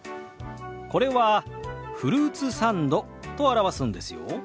これは「フルーツサンド」と表すんですよ。